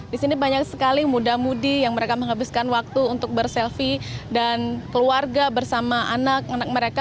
di sini banyak sekali muda mudi yang mereka menghabiskan waktu untuk berselfie dan keluarga bersama anak anak mereka